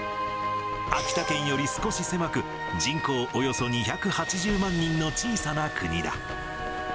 秋田県より少し狭く、人口およそ２８０万人の小さな国だ。